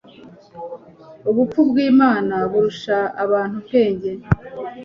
ubupfu bw'imana burusha abantu ubwenge